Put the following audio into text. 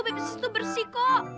pepis itu bersih kok